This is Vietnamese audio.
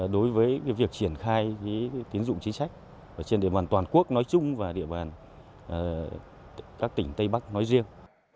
đối với việc triển khai tiến dụng chính sách trên địa bàn toàn quốc nói chung và địa bàn các tỉnh tây bắc nói riêng